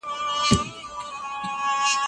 د مقالي لپاره باید کافي وخت ځانګړی سي.